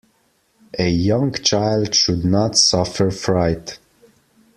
A young child should not suffer fright.